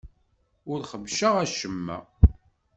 Ur xebbceɣ acemma.